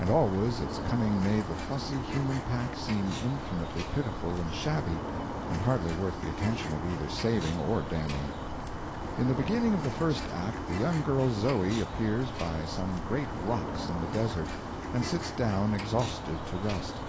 And always its coming made the fussy human pack seem infinitely pitiful and shabby, and hardly worth the attention of either saving or damning. In the beginning of the first act the young girl Zoe appears by some great rocks in the desert, and sits down exhausted, to rest.